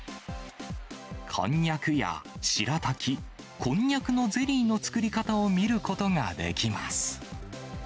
こんにゃくやしらたき、こんにゃくのゼリーの作り方を見ることができます。